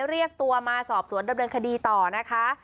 เรียกตัวมาสอบสวนดำเนินคดีต่อนะคะ